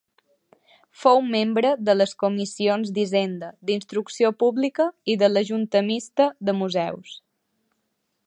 Fou membre de les comissions d'Hisenda, d'Instrucció Pública i de la Junta Mixta de Museus.